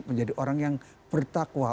menjadi orang yang bertakwa